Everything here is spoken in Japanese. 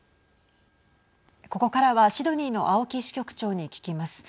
ここからは、シドニーの青木支局長に聞きます。